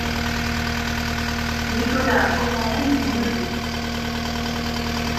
Nicolas Coatanlem est son neveu.